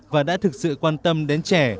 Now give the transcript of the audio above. và đã thực sự quan tâm đến trẻ